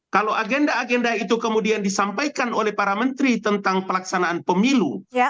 kalau agenda agenda itu kemudian disampaikan oleh para menteri tentang pelaksanaan pemilu